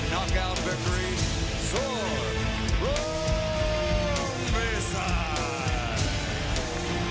นาฬิกา๓๓นาที